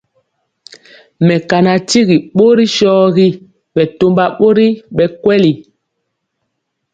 Mekana tyigi borɔ shɔgi bɛtɔmba bori bɛ kweli.